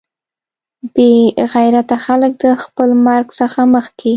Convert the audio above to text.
بې غیرته خلک د خپل مرګ څخه مخکې.